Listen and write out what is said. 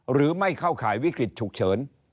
ไม่เข้าข่ายวิกฤตฉุกเฉิน